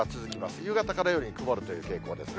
夕方から夜に曇るという傾向ですね。